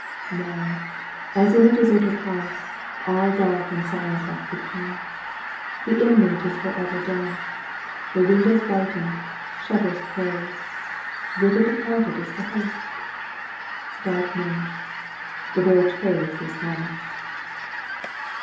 Now, as in a deserted house, All dark and silent hath become ; The inmate is for ever dumb, The windows whitened, shutters close — Whither departed is the host ? God knows ! The very trace is lost.